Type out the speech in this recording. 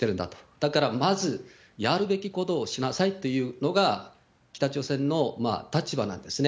だからまずやるべきことをしなさいっていうのが、北朝鮮の立場なんですね。